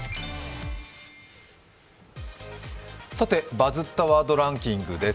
「バズったワードランキング」です。